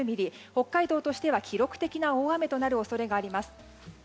北海道としては記録的な大雨となる恐れがあります。